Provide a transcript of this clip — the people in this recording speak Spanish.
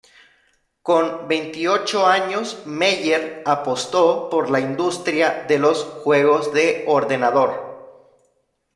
Con veintiocho años, Meier apostó por la industria de los juegos de ordenador.